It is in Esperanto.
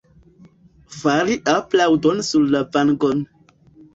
Fari aplaŭdon sur la vangon.